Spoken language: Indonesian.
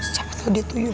siapa tau dia tuyul